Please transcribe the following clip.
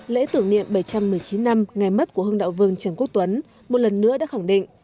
lễ tưởng niệm bảy trăm một mươi chín năm ngày mất của hương đạo vương trần quốc tuấn một lần nữa đã khẳng định